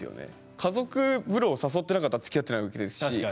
家族風呂を誘ってなかったらつきあってないわけですし。